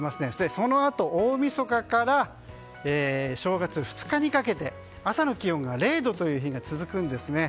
そのあと、大みそかから正月２日にかけて朝の気温が０度という日が続くんですね。